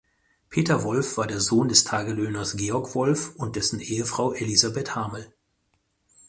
Peter Wolf war der Sohn des Tagelöhners Georg Wolf und dessen Ehefrau Elisabeth Hamel.